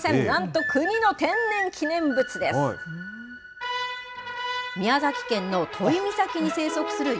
なんと国の天然記念物です。